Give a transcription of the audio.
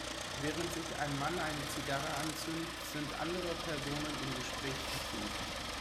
Während sich ein Mann eine Zigarre anzündet, sind andere Personen im Gespräch vertieft.